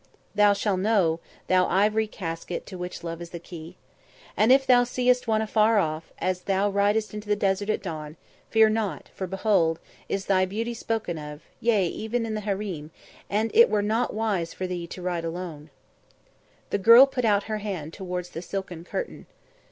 "Thou shall know, thou ivory casket to which love is the key. And if thou see'st one afar off as thou ridest into the desert at dawn, fear not; for behold, is thy beauty spoken of, yea, even in the harem, and it were not wise for thee to ride alone." The girl put out her hand towards the silken curtain.